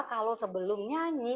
kalau sebelum nyanyi